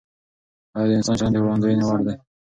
آیا د انسان چلند د وړاندوینې وړ دی؟